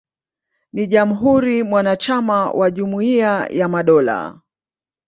Ni jamhuri mwanachama wa Jumuiya ya Madola.